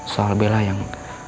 soal bella yang